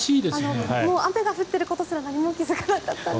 雨が降っていることすら何も気付かなかったんです。